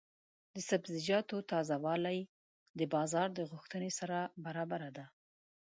د سبزیجاتو تازه والي د بازار د غوښتنې سره برابره ده.